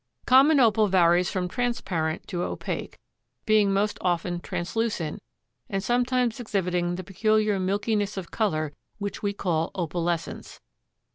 Common Opal varies from transparent to opaque, being most often translucent and sometimes exhibiting the peculiar milkiness of color which we call opalescence.